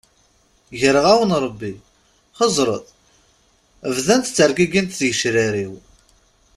Greɣ-awen-d Rebbi, xẓer, bdant ttergigint tgecrar-iw.